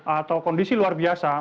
atau kondisi luar biasa